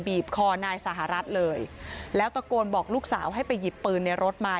คอนายสหรัฐเลยแล้วตะโกนบอกลูกสาวให้ไปหยิบปืนในรถมา